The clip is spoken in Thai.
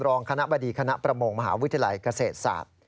รองคณะบดีคณะประมงมหาวิทยาลัยเกษตรศาสตร์